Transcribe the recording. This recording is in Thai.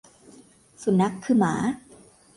สุนัขคือหมา